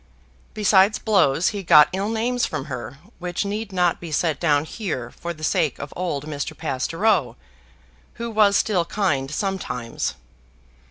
Besides blows, he got ill names from her, which need not be set down here, for the sake of old Mr. Pastoureau, who was still kind sometimes.